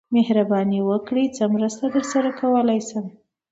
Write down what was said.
مهرباني وکړئ څه مرسته درسره کولای شم